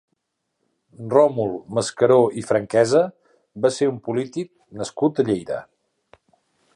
Ròmul Mascaró i Franquesa va ser un polític nascut a Lleida.